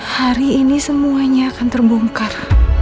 hari ini semuanya akan terbongkar